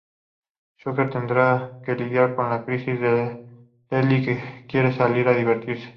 Shocker tendrá que lidiar con la crisis de Leslie que quiere salir a divertirse.